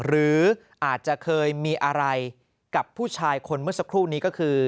หรืออาจจะเคยมีอะไรกับผู้ชายคนเมื่อสักครู่นี้ก็คือ